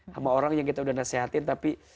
sama orang yang kita udah nasehatin tapi